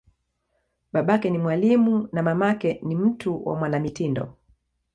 Babake ni mwalimu, na mamake ni mtu wa mwanamitindo.